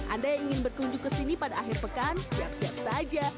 anda yang ingin berkunjung ke sini pada akhir pekan siap siap saja